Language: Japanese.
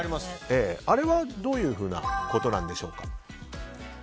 あれは、どういうふうなことなんでしょうか。